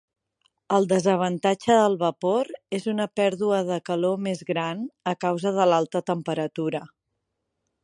El desavantatge del vapor és una pèrdua de calor més gran a causa de l'alta temperatura.